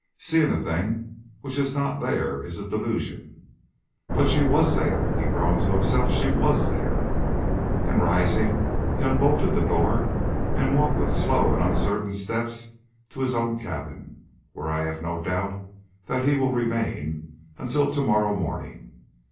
"Seeing a thing which is not there is a delusion." "But she WAS there!" he groaned to himself. "She WAS there!" and rising, he unbolted the door and walked with slow and uncertain steps to his own cabin, where I have no doubt that he will remain until to morrow morning.